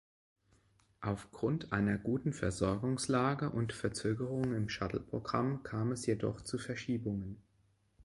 Aufgrund einer guten Versorgungslage und Verzögerungen im Shuttle-Programm kam es jedoch zu Verschiebungen.